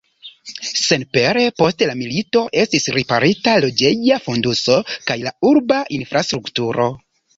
Senpere post la milito estis riparita loĝeja fonduso kaj la urba infrastrukturo.